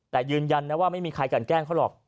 แต่ยืนยันนะว่าไม่มีใครกันแกล้งเขาหรอก